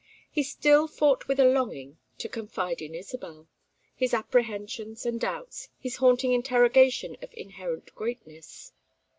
He still fought with a longing to confide in Isabel: his apprehensions and doubts, his haunting interrogation of inherent greatness.